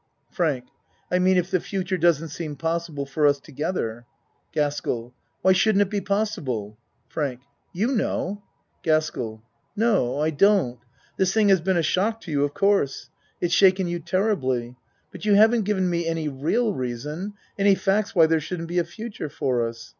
FRANK I mean if the future doesn't seem possi ble for us together. GASKELL Why shouldn't it be possible? FRANK You know. GASKELL No, I don't. This thing has been a shock to you of course. It's shaken you terribly, but you haven't given me any real reason any facts why there shouldn't be a future for us.